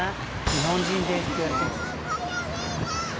「日本人です」って言われても。